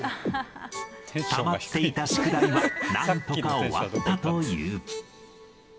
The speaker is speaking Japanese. たまっていた宿題はなんとか終わったという。